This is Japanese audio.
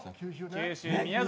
九州・宮崎。